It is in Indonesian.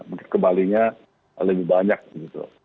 mungkin ke bali nya lebih banyak gitu